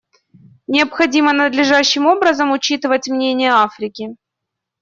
Необходимо надлежащим образом учитывать мнение Африки.